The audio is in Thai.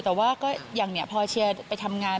แต่ว่าก็อย่างนี้พอเชียร์ไปทำงาน